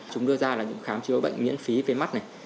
chúng đưa ra là những khám chữa bệnh miễn phí về mắt này